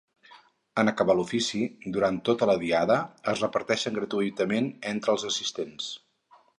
En acabar l’ofici, durant tota la diada, es reparteixen gratuïtament entre els assistents.